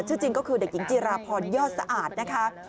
จริงก็คือเด็กหญิงจิราพรยอดสะอาดนะคะ